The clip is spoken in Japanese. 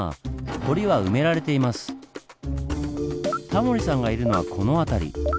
タモリさんがいるのはこの辺り。